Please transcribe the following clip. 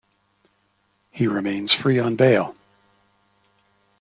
He remains free on bail.